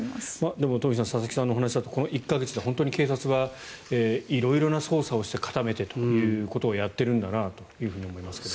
でも、東輝さん佐々木さんのお話だとこの１か月で本当に警察は色々な捜査をして固めてということをやっているんだなと思いますけど。